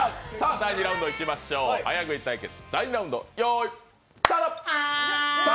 第２ラウンドいきましょう、早食い対決第２ラウンド、用意、スタート。